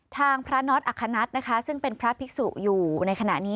ทางพระน็อตอัคคณัทนะคะซึ่งเป็นพระภิกษุอยู่ในขณะนี้